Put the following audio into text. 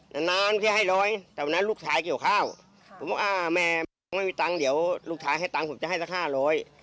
นานนานพี่ให้ร้อยแต่วันนั้นลูกชายเกี่ยวข้าวผมว่าอ่าแม่ยังไม่มีตังค์เดี๋ยวลูกชายให้ตังค์ผมจะให้สักห้าร้อย